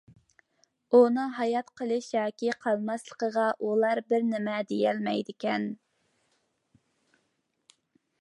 ئۇنىڭ ھايات قېلىش ياكى قالماسلىقىغا ئۇلار بىر نېمە دېيەلمەيدىكەن.